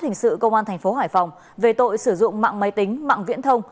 hình sự công an tp hải phòng về tội sử dụng mạng máy tính mạng viễn thông